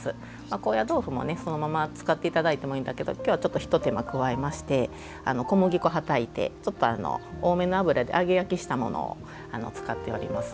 高野豆腐もそのまま使っていただいてもいいんだけど今日はちょっと一手間加えまして小麦粉をはたいてちょっと多めの油で揚げ焼きしたものを使っております。